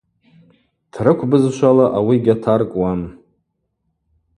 Трыкв бызшвала ауи гьатаркӏуам.